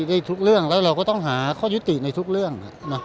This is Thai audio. ในทุกเรื่องแล้วเราก็ต้องหาข้อยุติในทุกเรื่อง